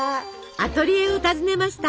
アトリエを訪ねました。